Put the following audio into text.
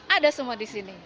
ada semua di sini